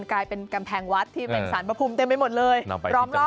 กลายเป็นกำแพงวัดที่เป็นสารพระภูมิเต็มไปหมดเลยล้อมรอบ